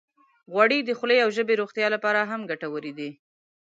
غوړې د خولې او ژبې روغتیا لپاره هم ګټورې دي.